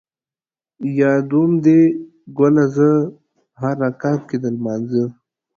یادوم دې ګله زه ـ په هر رکعت کې د لمانځه